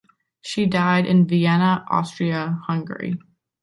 She died in Vienna, Austria-Hungary.